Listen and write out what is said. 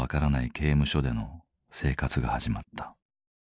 刑務所での生活が始まった。